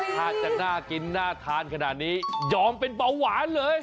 ถ้าจะน่ากินน่าทานขนาดนี้ยอมเป็นเบาหวานเลย